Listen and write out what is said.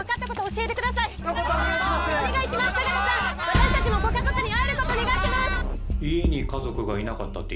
私たちもご家族に会えることを願ってます！